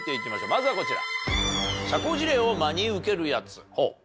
まずはこちら。